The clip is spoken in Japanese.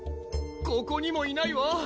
ここにもいないわ！